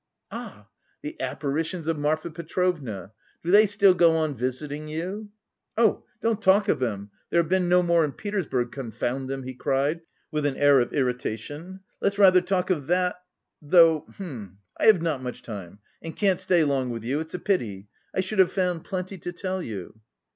"Ah, the apparitions of Marfa Petrovna! Do they still go on visiting you?" "Oh, don't talk of them; there have been no more in Petersburg, confound them!" he cried with an air of irritation. "Let's rather talk of that... though... H'm! I have not much time, and can't stay long with you, it's a pity! I should have found plenty to tell you."